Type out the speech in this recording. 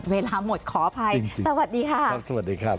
เวลาหมดขออภัยสวัสดีค่ะครับสวัสดีครับ